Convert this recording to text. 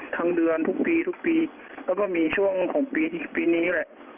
ทั้งเดือนทุกปีทุกปีแล้วก็มีช่วงของปีนี้แหละ